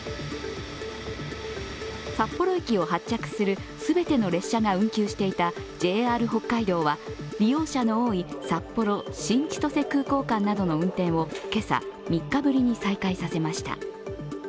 札幌駅を発着する全ての列車が運休していたＪＲ北海道は利用者の多い札幌−新千歳空港間などの運転を今朝、３日ぶりに再開させました。